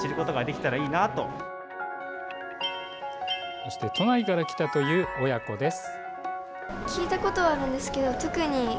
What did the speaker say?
そして都内から来たという親子です。